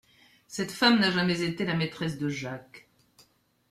Cette femme n'a jamais été la maîtresse de Jacques.